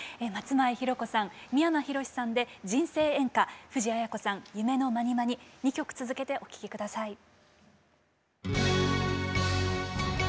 松前ひろ子さん三山ひろしさんで「人生援歌」藤あや子さん「夢のまにまに」２曲続けてお聴きください。